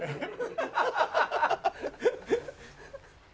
ハハハハッ！